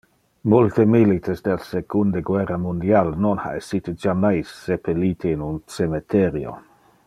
Multe milites del secunde guerra mundial non ha essite jammais sepelite in un cemeterio.